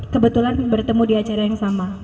kebetulan bertemu di acara yang sama